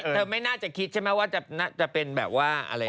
เธอเธอไม่น่าจะคิดใช่ไหมว่าจะน่าจะเป็นแบบว่าอะไรนะ